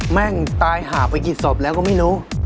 แม่งตายหาไปกี่ศพแล้วก็ไม่รู้